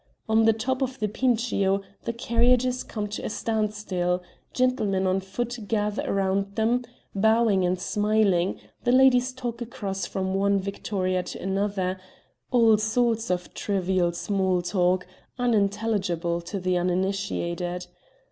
On the top of the Pincio the carriages come to a stand still; gentlemen on foot gather round them, bowing and smiling, the ladies talk across from one victoria to another all sorts of trivial small talk, unintelligible to the uninitiated.